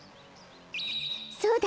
そうだ！